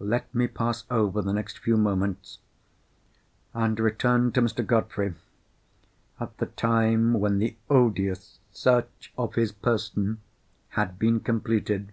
Let me pass over the next few moments, and return to Mr. Godfrey at the time when the odious search of his person had been completed.